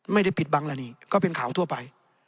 ไม่ได้ปิดบังละนี่ก็เป็นข่าวทั่วไป